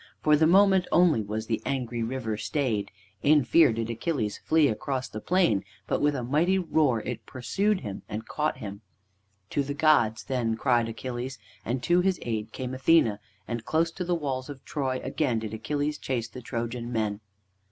For the moment only was the angry river stayed. In fear did Achilles flee across the plain, but with a mighty roar it pursued him, and caught him. To the gods then cried Achilles, and to his aid came Athene, and close to the walls of Troy again did Achilles chase the Trojan men.